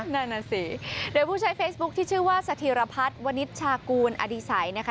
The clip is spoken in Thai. นั่นน่ะสิโดยผู้ใช้เฟซบุ๊คที่ชื่อว่าสถิรพัฒน์วนิชชากูลอดีศัยนะคะ